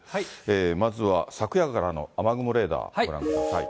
まずは昨夜からの雨雲レーダーご覧ください。